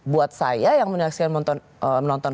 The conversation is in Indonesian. buat saya yang menyaksikan menonton